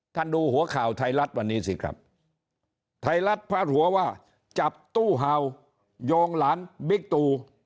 ดูหัวข่าวไทยรัฐวันนี้สิครับไทยรัฐพาดหัวว่าจับตู้เห่าโยงหลานบิ๊กตู